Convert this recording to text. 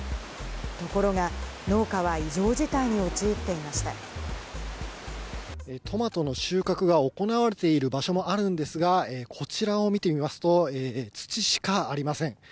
ところが、トマトの収穫が行われている場所もあるんですが、こちらを見てみますと、土しかありません。